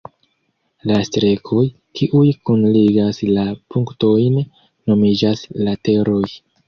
La strekoj, kiuj kunligas la punktojn, nomiĝas lateroj.